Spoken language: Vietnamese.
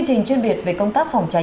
xin chào và hẹn gặp lại